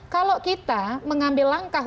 kalau kita mengambil langkah